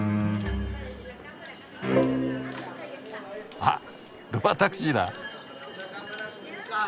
あっロバタクシーだ。